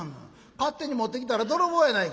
勝手に持ってきたら泥棒やないか」。